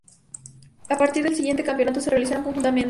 A partir del siguiente campeonato se realizaron conjuntamente.